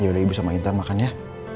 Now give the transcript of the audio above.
yaudah ibu sama intan makan ya